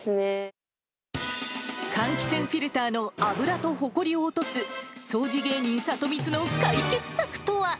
換気扇フィルターの油とほこりを落とす、掃除芸人、サトミツの解決策とは。